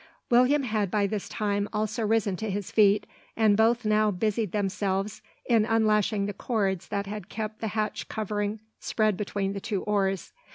William had by this time also risen to his feet; and both now busied themselves in unlashing the cords that had kept the hatch covering spread between the two oars.